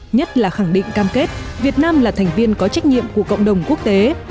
nhất là khẳng định cam kết việt nam là thành viên có trách nhiệm của cộng đồng quốc tế